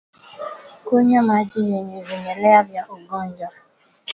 Kunywa maji yenye vimelea vya ugonjwa